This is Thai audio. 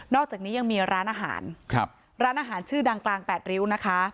อกจากนี้ยังมีร้านอาหารครับร้านอาหารชื่อดังกลางแปดริ้วนะคะ